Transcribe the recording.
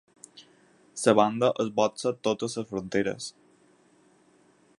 La banda esbotza totes les fronteres.